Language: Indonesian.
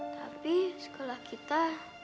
tapi sekolah kita